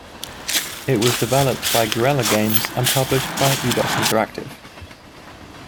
It was developed by Guerrilla Games and published by Eidos Interactive.